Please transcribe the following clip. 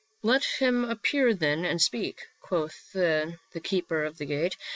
"* Let him appear then and speak,' quoth the keeper of the gate.